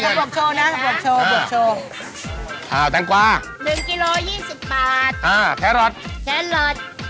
อ่าคิดเงินอ่าทางกว้า๑กิโล๒๐บาทอ่าแทร็อทแทร็อท